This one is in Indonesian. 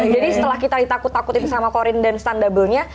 jadi setelah kita ditakut takutin sama korin dan stand double nya